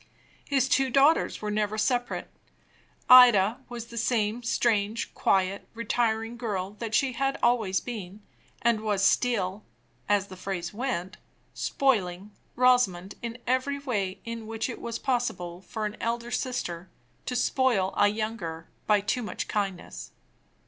His two daughters were never separate. Ida was the same strange, quiet, retiring girl, that she had always been; and was still (as the phrase went) "spoiling" Rosamond in every way in which it was possible for an elder sister to spoil a younger by too much kindness.